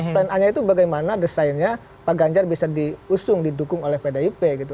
plan a nya itu bagaimana desainnya pak ganjar bisa diusung didukung oleh pdip gitu